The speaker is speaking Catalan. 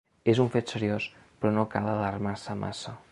És un fet seriós, però no cal alarmar-se massa.